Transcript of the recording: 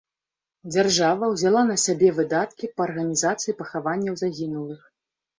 Дзяржава ўзяла на сябе выдаткі па арганізацыі пахаванняў загінулых.